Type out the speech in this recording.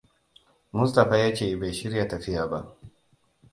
Mustapha ya ce bai shirya tafiya ba.